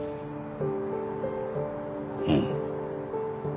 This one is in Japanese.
うん。